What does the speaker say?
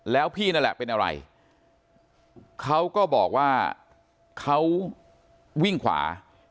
แล้วพี่นั่นแหละเป็นอะไรเขาก็บอกว่าเขาวิ่งขวา